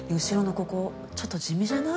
ここちょっと地味じゃない？